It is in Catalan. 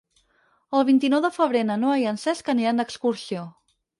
El vint-i-nou de febrer na Noa i en Cesc aniran d'excursió.